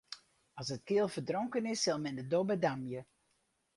As it keal ferdronken is, sil men de dobbe damje.